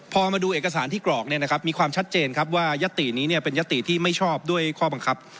พอมาดูเอกสารที่กรอกเนี่ยนะครับมีความชัดเจนครับว่ายัตตินี้เป็นยติที่ไม่ชอบด้วยข้อบังคับ